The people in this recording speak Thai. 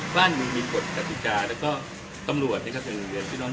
บ้านนึงมีกฎกฎิกาและก็ตำรวจในโรงเรียนที่นั่น